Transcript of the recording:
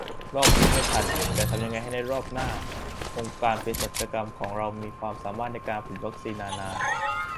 รอบนี้ไม่ทัน แต่ทำยังไงให้ในรอบหน้า องค์การเภสัชกรรมของเรามีความสามารถในการผลิตวัคซีนนานา